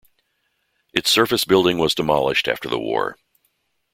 Its surface building was demolished after the war.